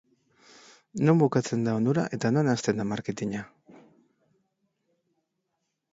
Non bukatzen da onura eta non hasten da marketina?